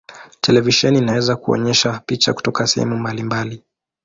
Televisheni inaweza kuonyesha picha kutoka sehemu mbalimbali.